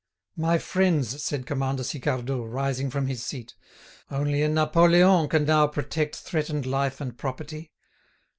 "My friends," said Commander Sicardot, rising from his seat, "only a Napoleon can now protect threatened life and property.